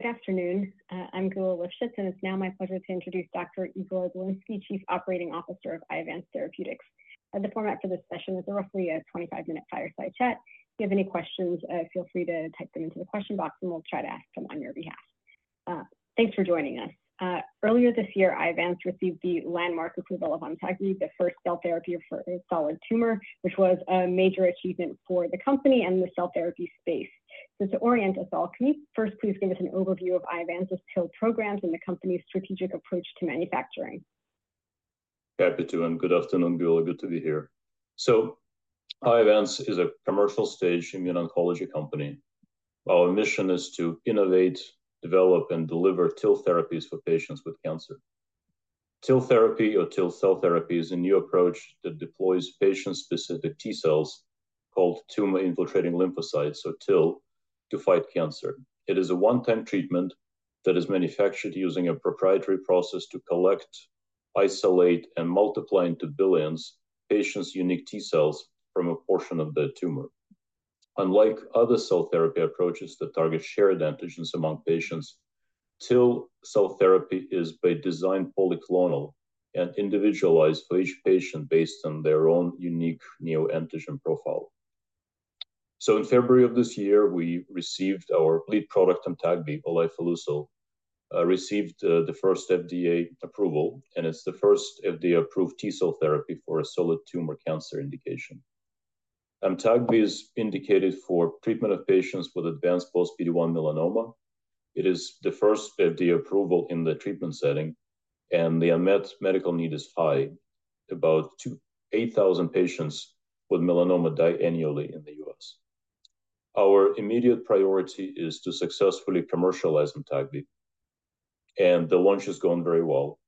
Good afternoon. I'm Geulah Livshits, and it's now my pleasure to introduce Dr. Igor Bilinsky, Chief Operating Officer of Iovance Therapeutics. The format for this session is roughly a 25-minute fireside chat. If you have any questions, feel free to type them into the question box, and we'll try to ask them on your behalf. Thanks for joining us. Earlier this year, Iovance received the landmark approval of Amtagvi, the first cell therapy for a solid tumor, which was a major achievement for the company and the cell therapy space. To orient us all, can you first please give us an overview of Iovance's TIL programs and the company's strategic approach to manufacturing? Happy to, and good afternoon, Geulah. Good to be here. So Iovance is a commercial-stage immuno-oncology company. Our mission is to innovate, develop, and deliver TIL therapies for patients with cancer. TIL therapy or TIL cell therapy is a new approach that deploys patient-specific T cells, called tumor-infiltrating lymphocytes, or TIL, to fight cancer. It is a one-time treatment that is manufactured using a proprietary process to collect, isolate, and multiply into billions patients' unique T cells from a portion of their tumor. Unlike other cell therapy approaches that target shared antigens among patients, TIL cell therapy is by design polyclonal and individualized for each patient based on their own unique neoantigen profile. So in February of this year, we received our lead product, Amtagvi, lifileucel, received the first FDA approval, and it's the first FDA-approved T-cell therapy for a solid tumor cancer indication. Amtagvi is indicated for treatment of patients with advanced post-PD-1 melanoma. It is the first FDA approval in the treatment setting, and the unmet medical need is high. About 28,000 patients with melanoma die annually in the U.S. Our immediate priority is to successfully commercialize Amtagvi, and the launch is going very well.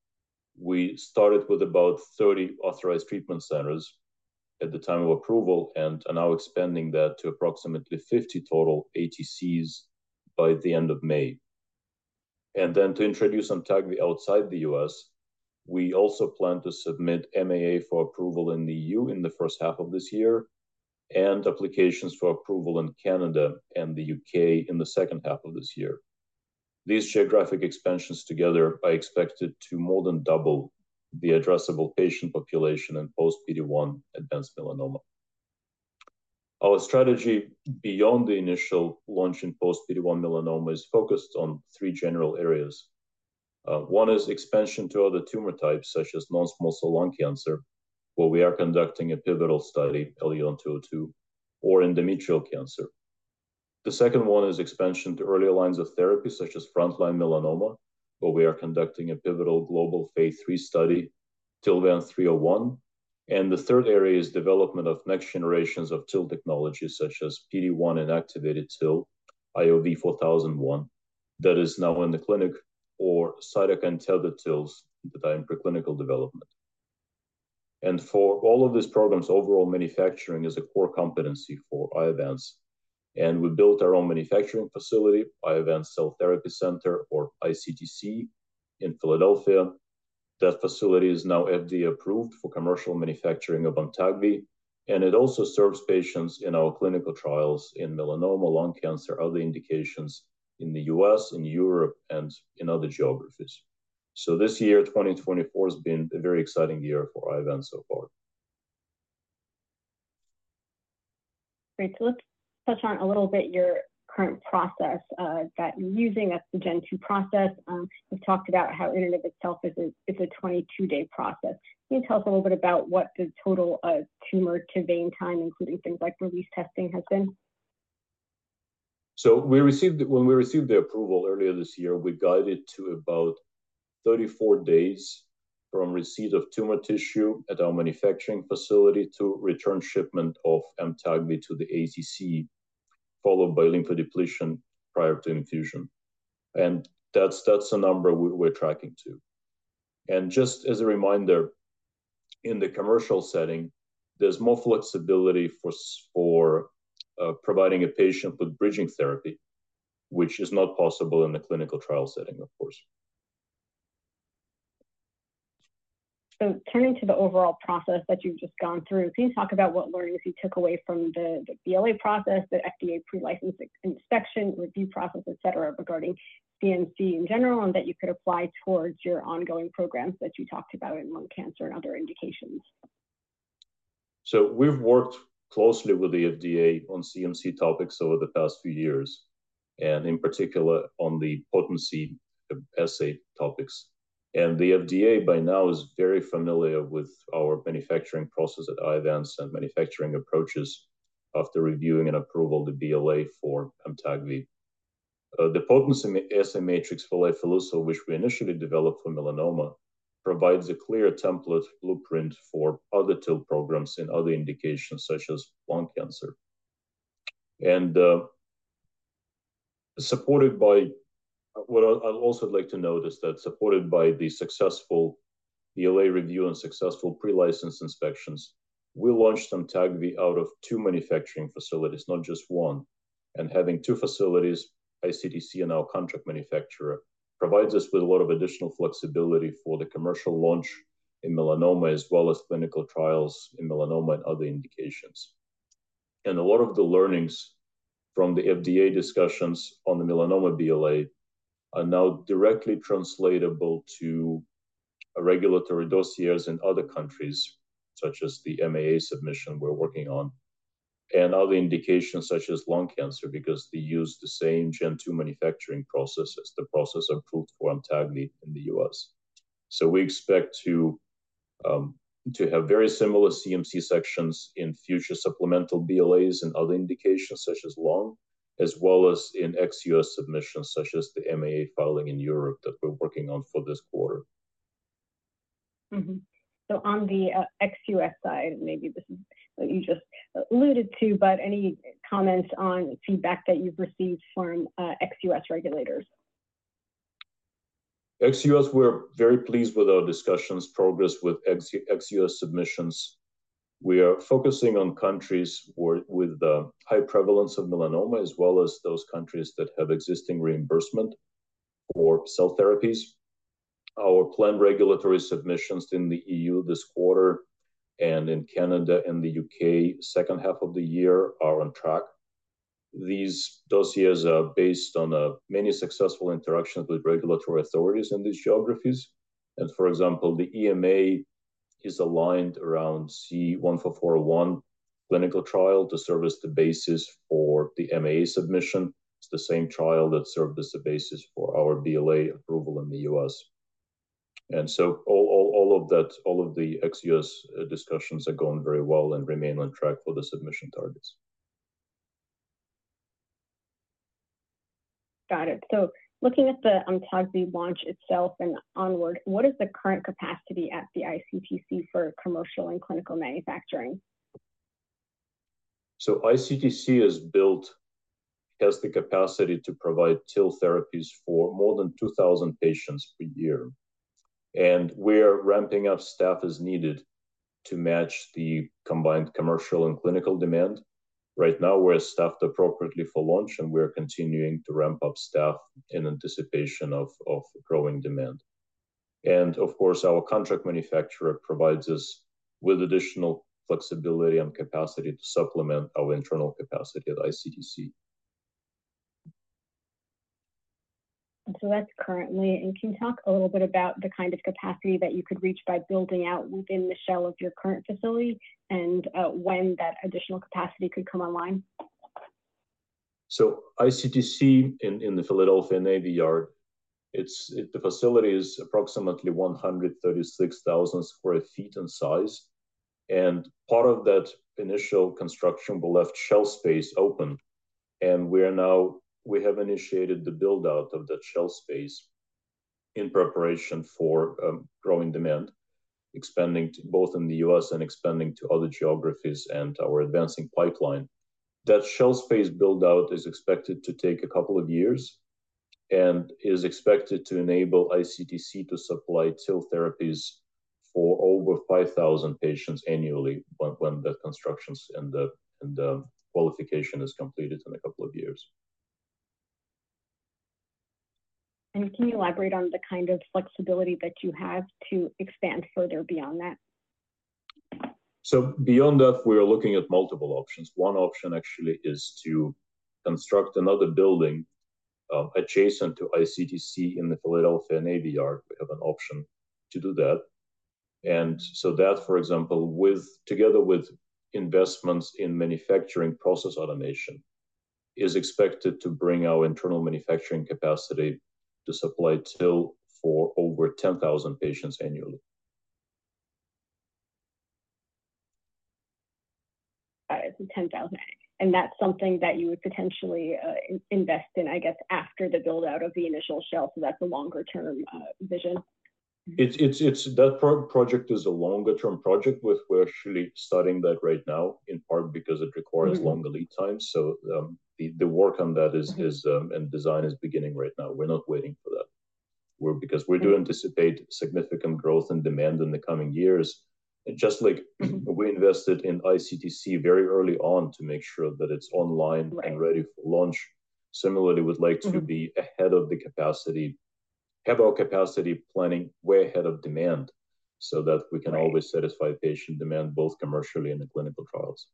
We started with about 30 Authorized Treatment Centers at the time of approval and are now expanding that to approximately 50 total ATCs by the end of May. And then to introduce Amtagvi outside the U.S., we also plan to submit MAA for approval in the EU in the first half of this year and applications for approval in Canada and the U.K. in the second half of this year. These geographic expansions together are expected to more than double the addressable patient population in post-PD-1 advanced melanoma. Our strategy beyond the initial launch in post-PD-1 melanoma is focused on three general areas. One is expansion to other tumor types, such as non-small cell lung cancer, where we are conducting a pivotal study, IOV-LUN-202, or endometrial cancer. The second one is expansion to earlier lines of therapy, such as frontline melanoma, where we are conducting a pivotal global phase III study, TILVANCE-301. And the third area is development of next generations of TIL technologies, such as PD-1-inactivated TIL, IOV-4001, that is now in the clinic or cytokine-tethered TILs that are in preclinical development. And for all of these programs, overall manufacturing is a core competency for Iovance, and we built our own manufacturing facility, Iovance Cell Therapy Center, or ICTC, in Philadelphia. That facility is now FDA-approved for commercial manufacturing of Amtagvi, and it also serves patients in our clinical trials in melanoma, lung cancer, other indications in the U.S., in Europe, and in other geographies. So this year, 2024, has been a very exciting year for Iovance so far. Great. So let's touch on a little bit your current process that you're using. That's the Gen 2 process. We've talked about how in and of itself it's a 22-day process. Can you tell us a little bit about what the total tumor to vein time, including things like release testing, has been? When we received the approval earlier this year, we guided to about 34 days from receipt of tumor tissue at our manufacturing facility to return shipment of Amtagvi to the ATC, followed by lymphodepletion prior to infusion. And that's the number we're tracking to. And just as a reminder, in the commercial setting, there's more flexibility for providing a patient with bridging therapy, which is not possible in a clinical trial setting, of course. So turning to the overall process that you've just gone through, can you talk about what learnings you took away from the BLA process, the FDA pre-license inspection, review process, et cetera, regarding CMC in general, and that you could apply toward your ongoing programs that you talked about in lung cancer and other indications? So we've worked closely with the FDA on CMC topics over the past few years, and in particular, on the potency assay topics. The FDA, by now, is very familiar with our manufacturing process at Iovance and manufacturing approaches after reviewing and approval the BLA for Amtagvi. The potency assay matrix for lifileucel, which we initially developed for melanoma, provides a clear template blueprint for other TIL programs in other indications, such as lung cancer. Supported by. What I, I'd also like to note is that supported by the successful BLA review and successful pre-license inspections, we launched Amtagvi out of two manufacturing facilities, not just one. Having two facilities, ICTC and our contract manufacturer, provides us with a lot of additional flexibility for the commercial launch in melanoma, as well as clinical trials in melanoma and other indications. A lot of the learnings from the FDA discussions on the melanoma BLA are now directly translatable to a regulatory dossier in other countries, such as the MAA submission we're working on, and other indications such as lung cancer, because they use the same Gen 2 manufacturing process as the process approved for Amtagvi in the U.S. So we expect to have very similar CMC sections in future supplemental BLAs and other indications such as lung, as well as in ex-U.S. submissions, such as the MAA filing in Europe that we're working on for this quarter. Mm-hmm. So on the ex-U.S. side, maybe this is what you just alluded to, but any comments on feedback that you've received from ex-U.S. regulators? Ex-U.S., we're very pleased with our discussions, progress with ex-U.S. submissions. We are focusing on countries with the high prevalence of melanoma, as well as those countries that have existing reimbursement for cell therapies. Our planned regulatory submissions in the EU this quarter and in Canada and the U.K., second half of the year, are on track. These dossiers are based on many successful interactions with regulatory authorities in these geographies, and for example, the EMA is aligned around the C-144-01 clinical trial to serve as the basis for the MAA submission. It's the same trial that served as the basis for our BLA approval in the U.S.. And so all of that, all of the ex-U.S. discussions are going very well and remain on track for the submission targets. Got it. So looking at the Amtagvi launch itself and onward, what is the current capacity at the ICTC for commercial and clinical manufacturing? So ICTC has built, has the capacity to provide TIL therapies for more than 2,000 patients per year, and we are ramping up staff as needed to match the combined commercial and clinical demand. Right now, we're staffed appropriately for launch, and we're continuing to ramp up staff in anticipation of growing demand. And of course, our contract manufacturer provides us with additional flexibility and capacity to supplement our internal capacity at ICTC. So that's currently. And can you talk a little bit about the kind of capacity that you could reach by building out within the shell of your current facility, and when that additional capacity could come online? So ICTC in the Philadelphia Navy Yard, it's the facility is approximately 136,000 sq ft in size, and part of that initial construction left shell space open, and we are now we have initiated the build-out of that shell space in preparation for growing demand, expanding to both in the U.S. and expanding to other geographies and our advancing pipeline. That shell space build-out is expected to take a couple of years and is expected to enable ICTC to supply TIL therapies for over 5,000 patients annually when the construction and the qualification is completed in a couple of years. Can you elaborate on the kind of flexibility that you have to expand further beyond that? So beyond that, we are looking at multiple options. One option, actually, is to construct another building adjacent to ICTC in the Philadelphia Navy Yard. We have an option to do that. And so that, for example, together with investments in manufacturing process automation, is expected to bring our internal manufacturing capacity to supply TIL for over 10,000 patients annually. Alright 10,000. And that's something that you would potentially invest in, I guess, after the build-out of the initial shell, so that's a longer term vision? It's. That project is a longer-term project, which we're actually starting that right now, in part because it requires longer lead times. So, the work on that and design is beginning right now. We're not waiting for that because we do anticipate significant growth and demand in the coming years. And just like we invested in ICTC very early on to make sure that it's online. Right And ready for launch, similarly, we'd like to be ahead of the capacity, have our capacity planning way ahead of demand, so that we can always satisfy patient demand, both commercially and the clinical trials.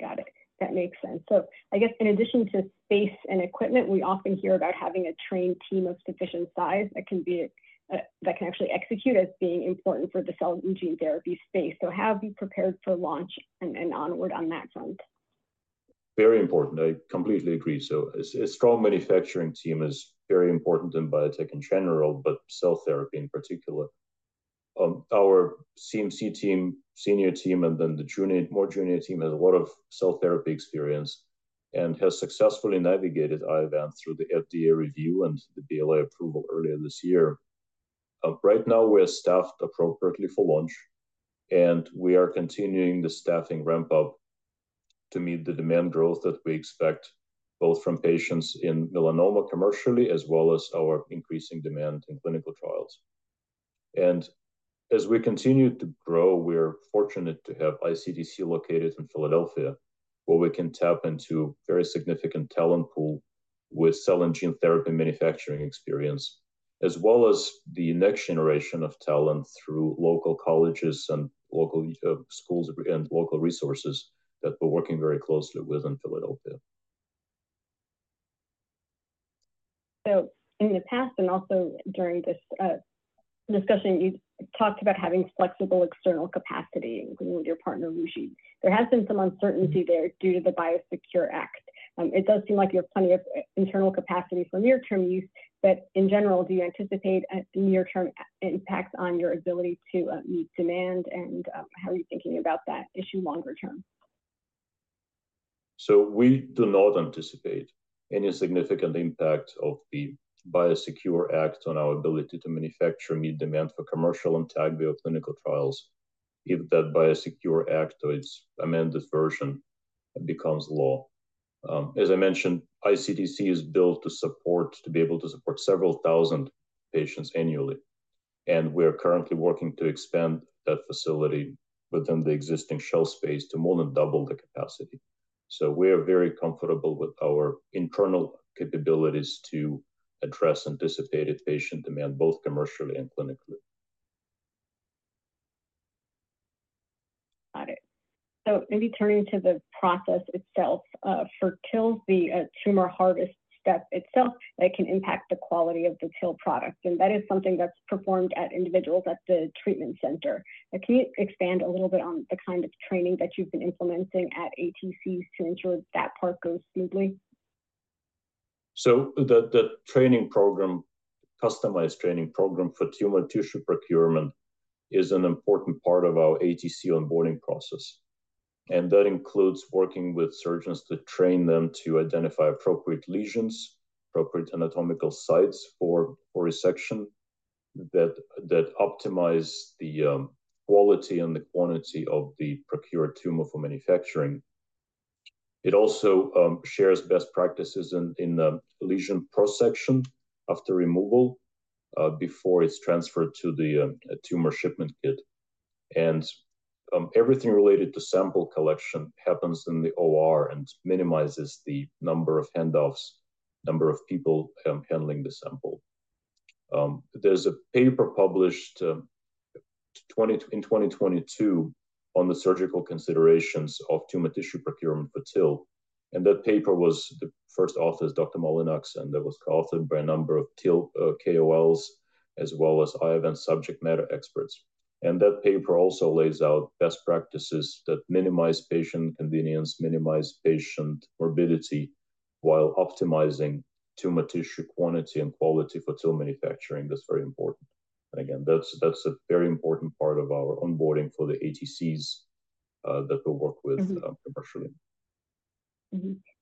Got it. That makes sense. So I guess in addition to space and equipment, we often hear about having a trained team of sufficient size that can be, that can actually execute as being important for the cell and gene therapy space. So how have you prepared for launch and, and onward on that front? Very important. I completely agree. So a strong manufacturing team is very important in biotech in general, but cell therapy in particular. Our CMC team, senior team, and then the junior, more junior team, has a lot of cell therapy experience and has successfully navigated Iovance through the FDA review and the BLA approval earlier this year. Right now, we're staffed appropriately for launch, and we are continuing the staffing ramp-up to meet the demand growth that we expect, both from patients in melanoma commercially, as well as our increasing demand in clinical trials. And as we continue to grow, we're fortunate to have ICTC located in Philadelphia, where we can tap into very significant talent pool with cell and gene therapy manufacturing experience, as well as the next generation of talent through local colleges and local schools and local resources that we're working very closely with in Philadelphia. In the past and also during this discussion, you talked about having flexible external capacity, including with your partner, WuXi. There has been some uncertainty there due to the BIOSECURE Act. It does seem like you have plenty of internal capacity for near-term use, but in general, do you anticipate a near-term impact on your ability to meet demand, and how are you thinking about that issue longer term? So we do not anticipate any significant impact of the BIOSECURE Act on our ability to manufacture and meet demand for Amtagvi and clinical trials if that BIOSECURE Act or its amended version becomes law. As I mentioned, ICTC is built to support several thousand patients annually, and we are currently working to expand that facility within the existing shell space to more than double the capacity. So we are very comfortable with our internal capabilities to address anticipated patient demand, both commercially and clinically. Got it. So maybe turning to the process itself, for TIL, the tumor harvest step itself, that can impact the quality of the TIL product, and that is something that's performed by individuals at the treatment center. Can you expand a little bit on the kind of training that you've been implementing at ATCs to ensure that part goes smoothly? So the training program, customized training program for tumor tissue procurement is an important part of our ATC onboarding process, and that includes working with surgeons to train them to identify appropriate lesions, appropriate anatomical sites for resection that optimize the quality and the quantity of the procured tumor for manufacturing. It also shares best practices in the lesion prosection after removal before it's transferred to the tumor shipment kit. And everything related to sample collection happens in the OR and minimizes the number of handoffs, number of people handling the sample. There's a paper published in 2022 on the surgical considerations of tumor tissue procurement for TIL, and that paper was the first author is Dr. Mullinax, and that was co-authored by a number of TIL KOLs, as well as Iovance subject matter experts. That paper also lays out best practices that minimize patient inconvenience, minimize patient morbidity, while optimizing tumor tissue quantity and quality for TIL manufacturing. That's very important. And again, that's a very important part of our onboarding for the ATCs that we work with commercially.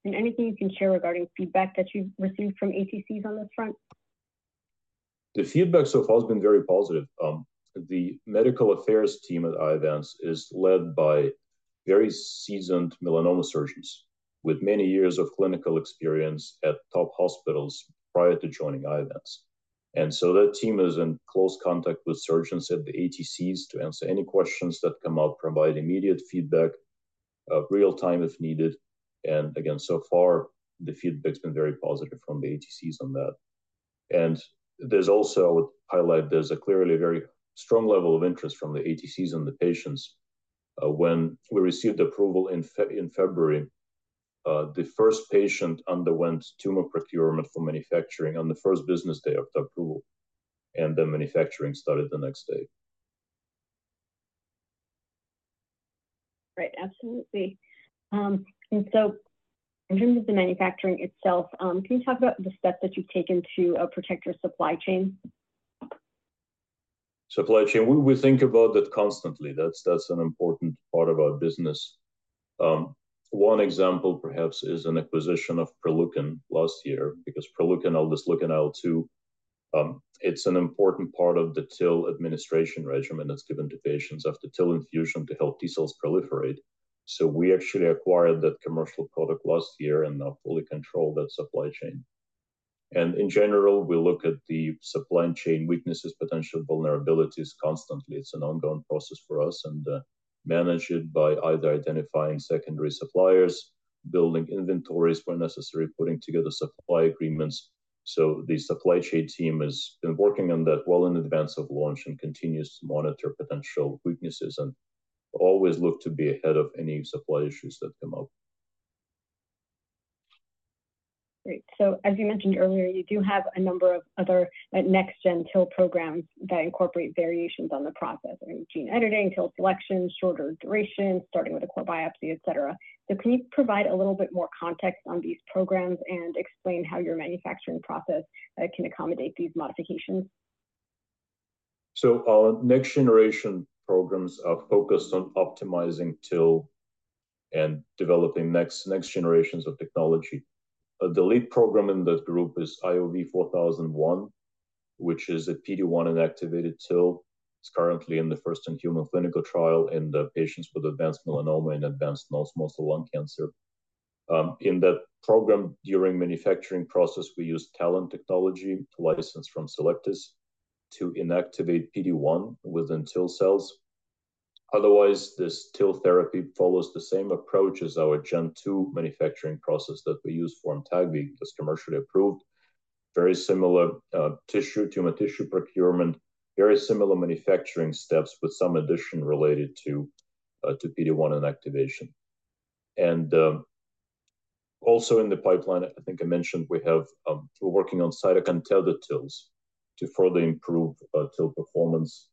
And anything you can share regarding feedback that you've received from ATCs on this front? The feedback so far has been very positive. The medical affairs team at Iovance is led by very seasoned melanoma surgeons with many years of clinical experience at top hospitals prior to joining Iovance. And so that team is in close contact with surgeons at the ATCs to answer any questions that come up, provide immediate feedback, real time if needed. And again, so far, the feedback's been very positive from the ATCs on that. And there's also, I would highlight, there's a clearly very strong level of interest from the ATCs and the patients. When we received approval in February, the first patient underwent tumor procurement for manufacturing on the first business day of the approval, and the manufacturing started the next day. Right. Absolutely. And so in terms of the manufacturing itself, can you talk about the steps that you've taken to protect your supply chain? Supply chain, we think about that constantly. That's an important part of our business. One example perhaps is an acquisition of Proleukin last year, because Proleukin, or just IL-2, it's an important part of the TIL administration regimen that's given to patients after TIL infusion to help T cells proliferate. So we actually acquired that commercial product last year and now fully control that supply chain. And in general, we look at the supply chain weaknesses, potential vulnerabilities constantly. It's an ongoing process for us, and manage it by either identifying secondary suppliers, building inventories where necessary, putting together supply agreements. So the supply chain team has been working on that well in advance of launch and continues to monitor potential weaknesses and always look to be ahead of any supply issues that come up. Great. So as you mentioned earlier, you do have a number of other next gen TIL programs that incorporate variations on the process, I mean, gene editing, TIL selection, shorter duration, starting with a core biopsy, et cetera. So can you provide a little bit more context on these programs and explain how your manufacturing process can accommodate these modifications? So our next generation programs are focused on optimizing TIL and developing next generations of technology. The lead program in that group is IOV-4001, which is a PD-1 inactivated TIL. It's currently in the first in human clinical trial in the patients with advanced melanoma and advanced non-small cell lung cancer. In that program, during manufacturing process, we use TALEN technology licensed from Cellectis to inactivate PD-1 within TIL cells. otherwise, this TIL therapy follows the same approach as our gen two manufacturing process that we use for Amtagvi, that's commercially approved. Very similar, tumor tissue procurement, very similar manufacturing steps, but some addition related to PD-1 inactivation. Also in the pipeline, I think I mentioned we have, we're working on cytokine-tethered TILs to further improve TIL performance,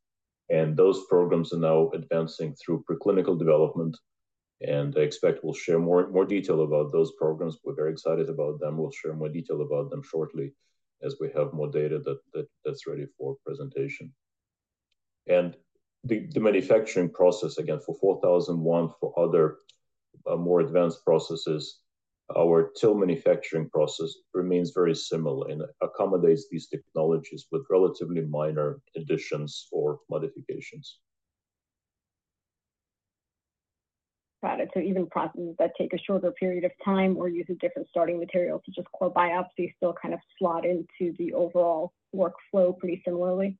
and those programs are now advancing through preclinical development, and I expect we'll share more detail about those programs. We're very excited about them. We'll share more detail about them shortly as we have more data that's ready for presentation. And the manufacturing process, again, for IOV-4001, for other more advanced processes, our TIL manufacturing process remains very similar and accommodates these technologies with relatively minor additions or modifications. Got it. So even processes that take a shorter period of time or use a different starting material, such as core biopsy, still kind of slot into the overall workflow pretty similarly?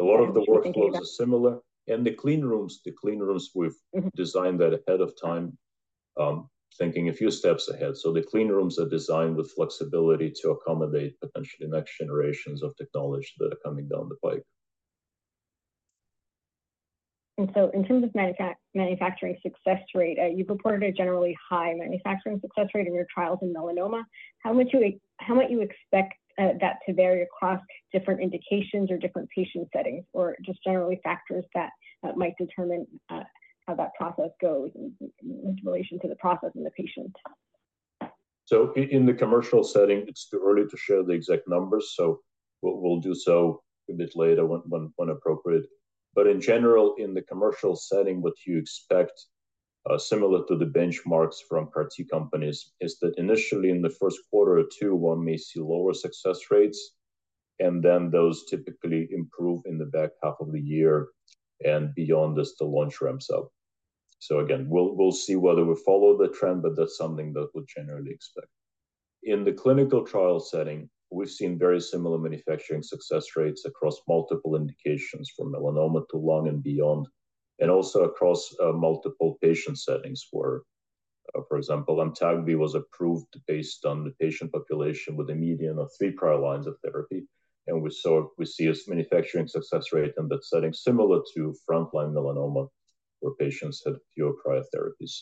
A lot of the workflows are similar. The clean rooms we've designed that ahead of time, thinking a few steps ahead. So the clean rooms are designed with flexibility to accommodate potentially next generations of technology that are coming down the pipe. In terms of manufacturing success rate, you purported a generally high manufacturing success rate in your trials in melanoma. How much you expect that to vary across different indications or different patient settings, or just generally factors that might determine how that process goes in relation to the process and the patient? So in the commercial setting, it's too early to share the exact numbers, so we'll do so a bit later when appropriate. But in general, in the commercial setting, what you expect, similar to the benchmarks from CAR T companies, is that initially in the first quarter or two, one may see lower success rates, and then those typically improve in the back half of the year and beyond as the launch ramps up. So again, we'll see whether we follow the trend, but that's something that we generally expect. In the clinical trial setting, we've seen very similar manufacturing success rates across multiple indications, from melanoma to lung and beyond, and also across multiple patient settings, where for example, Amtagvi was approved based on the patient population with a median of three prior lines of therapy. We saw, we see a manufacturing success rate in that setting similar to frontline melanoma, where patients had fewer prior therapies.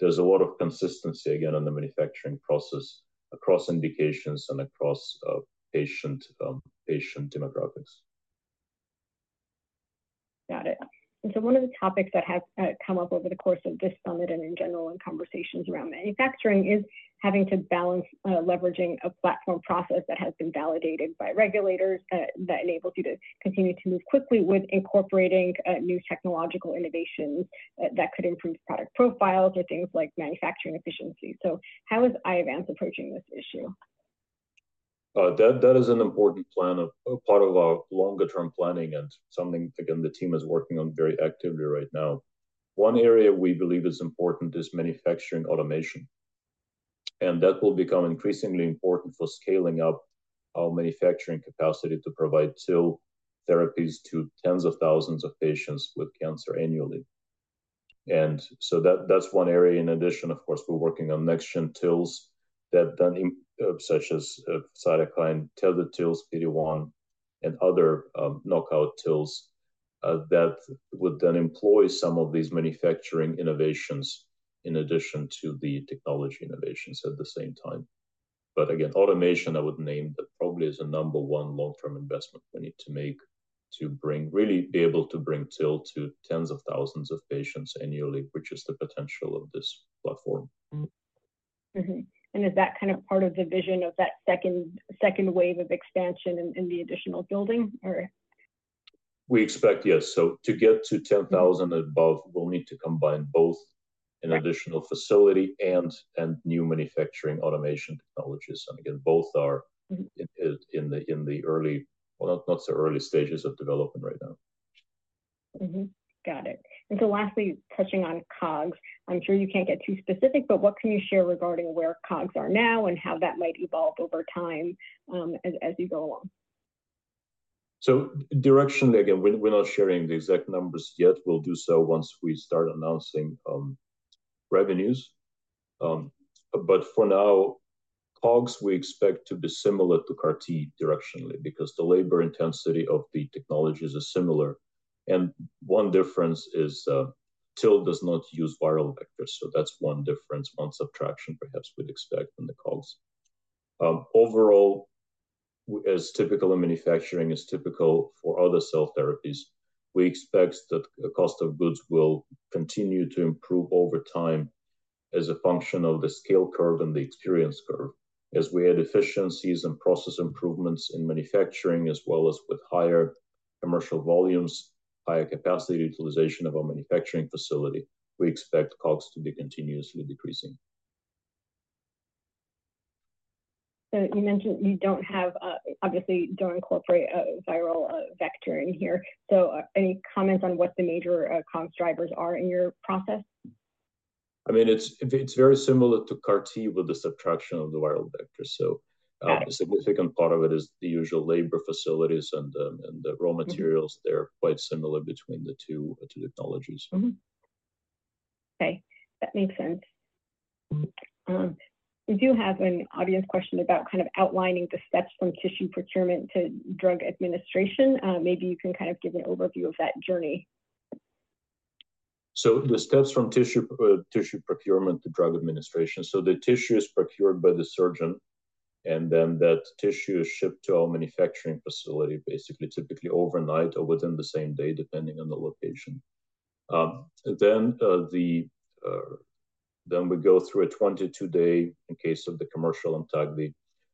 There's a lot of consistency, again, on the manufacturing process across indications and across patient demographics. Got it. And so one of the topics that has come up over the course of this summit and in general in conversations around manufacturing is having to balance leveraging a platform process that has been validated by regulators that enables you to continue to move quickly with incorporating new technological innovations that could improve product profiles or things like manufacturing efficiency. So how is Iovance approaching this issue? That is an important part of our longer term planning and something, again, the team is working on very actively right now. One area we believe is important is manufacturing automation, and that will become increasingly important for scaling up our manufacturing capacity to provide TIL therapies to tens of thousands of patients with cancer annually. And so that's one area. In addition, of course, we're working on next gen TILs such as cytokine-secreting TILs, PD-1, and other knockout TILs that would then employ some of these manufacturing innovations in addition to the technology innovations at the same time. But again, automation, I would name, that probably is the number one long-term investment we need to make to bring really be able to bring TIL to tens of thousands of patients annually, which is the potential of this platform. Is that kind of part of the vision of that second wave of expansion in the additional building, or? We expect, yes. So to get to 10,000 and above, we'll need to combine both an additional facility and new manufacturing automation technologies. And again, both are in the early, well, not the early stages of development right now. Got it. And so lastly, touching on COGS, I'm sure you can't get too specific, but what can you share regarding where COGS are now and how that might evolve over time, as you go along? So directionally, again, we're, we're not sharing the exact numbers yet. We'll do so once we start announcing revenues. But for now, COGS we expect to be similar to CAR T directionally because the labor intensity of the technologies are similar. And one difference is, TIL does not use viral vectors, so that's one difference, one subtraction perhaps we'd expect on the COGS. Overall, as typical in manufacturing, as typical for other cell therapies, we expect that the cost of goods will continue to improve over time as a function of the scale curve and the experience curve. As we add efficiencies and process improvements in manufacturing, as well as with higher commercial volumes, higher capacity utilization of our manufacturing facility, we expect COGS to be continuously decreasing. So you mentioned you don't have, obviously, don't incorporate a viral vector in here. So, any comments on what the major COGS drivers are in your process? I mean, it's very similar to CAR T with the subtraction of the viral vector. So, Got it. A significant part of it is the usual labor facilities and the raw materials. They're quite similar between the two technologies. Okay, that makes sense. We do have an audience question about kind of outlining the steps from tissue procurement to drug administration. Maybe you can kind of give an overview of that journey. So the steps from tissue procurement to drug administration. So the tissue is procured by the surgeon, and then that tissue is shipped to our manufacturing facility, basically, typically overnight or within the same day, depending on the location. Then we go through a 22-day, in the case of the commercial Amtagvi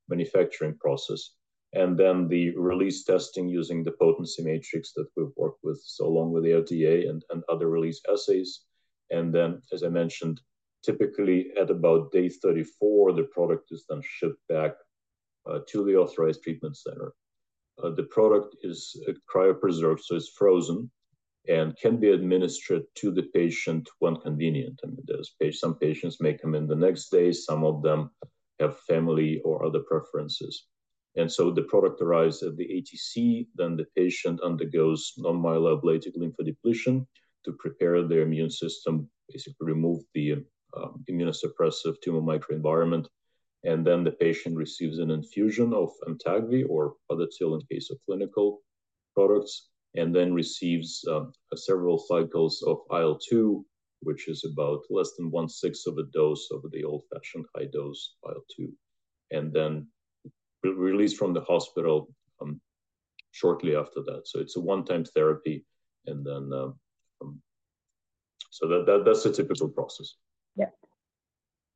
manufacturing process, and then the release testing using the potency matrix that we've worked with so long with the FDA and other release assays. And then, as I mentioned, typically at about day 34, the product is then shipped back to the Authorized Treatment Center. The product is cryopreserved, so it's frozen and can be administered to the patient when convenient. And some patients may come in the next day, some of them have family or other preferences. So the product arrives at the ATC, then the patient undergoes non-myeloablative lymphodepletion to prepare their immune system, basically remove the immunosuppressive tumor microenvironment. And then the patient receives an infusion of Amtagvi or other TIL in case of clinical products, and then receives several cycles of IL-2, which is about less than one-sixth of a dose of the old-fashioned high-dose IL-2, and then released from the hospital shortly after that. So it's a one-time therapy. That's the typical process.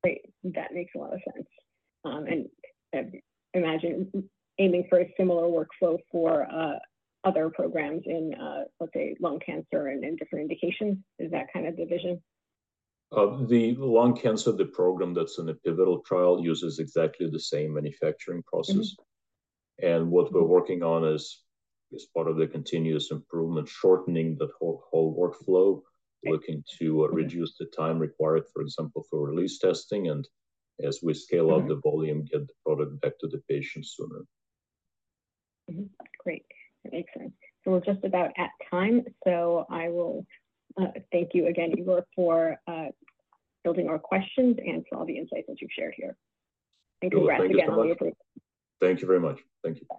Yeah. Great. That makes a lot of sense. And I imagine aiming for a similar workflow for other programs in, let's say, lung cancer and in different indications. Is that kind of the vision? Of the lung cancer, the program that's in the pivotal trial uses exactly the same manufacturing process. Mm-hmm. What we're working on is, as part of the continuous improvement, shortening that whole workflow looking to reduce the time required, for example, for release testing, and as we scale up the volume, get the product back to the patient sooner. That's great. That makes sense. So we're just about at time, so I will thank you again, Igor, for building our questions and for all the insights that you've shared here. Congrats again, we appreciate it. Thank you very much. Thank you.